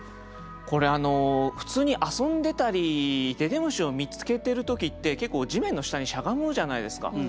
これあの普通に遊んでたりでで虫を見つけてる時って結構地面の下にしゃがむじゃないですか。